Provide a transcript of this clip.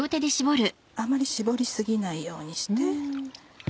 あまり絞り過ぎないようにして。